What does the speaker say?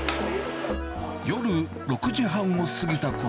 夜６時半を過ぎたころ。